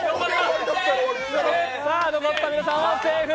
残った皆さんはセーフ。